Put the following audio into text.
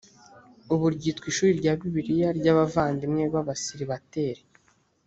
ubu ryitwa ishuri rya bibiliya ry’ abavandimwe b’ abaseribateri